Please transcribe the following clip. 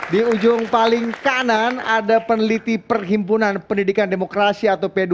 di ujung paling kanan ada peneliti perhimpunan pendidikan demokrasi atau p dua